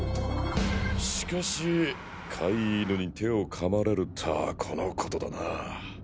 しかし飼い犬に手をかまれるとはこのことだなぁ。